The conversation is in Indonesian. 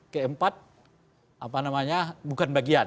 keempat apa namanya bukan bagian